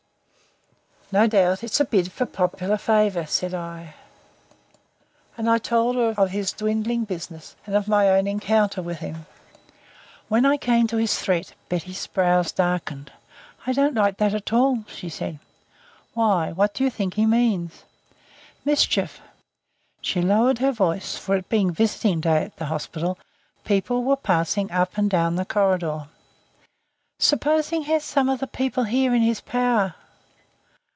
"No doubt it's a bid for popular favour," said I. And I told her of his dwindling business and of my encounter with him. When I came to his threat Betty's brows darkened. "I don't like that at all," she said. "Why? What do you think he means?" "Mischief." She lowered her voice, for, it being visiting day at the hospital, people were passing up and down the corridor. "Suppose he has some of the people here in his power?"